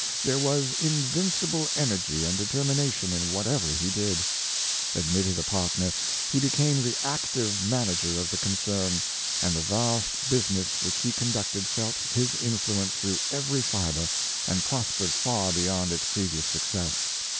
There was invincible energy and determination in whatever he did. Admitted a partner, he became the active manager of the concern ; and the vast business which he conducted felt his influence through every fibre, and prospered far beyond its previous success.